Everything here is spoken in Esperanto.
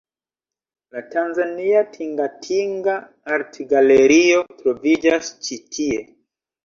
La tanzania Tingatinga Artgalerio troviĝas ĉi tie.